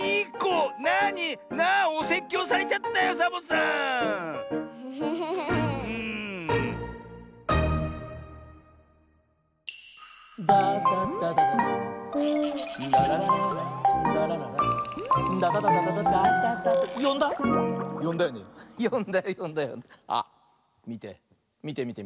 うん。